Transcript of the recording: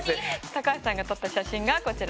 高橋さんが撮った写真がこちらです。